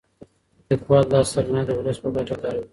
لیکوال دا سرمایه د ولس په ګټه کاروي.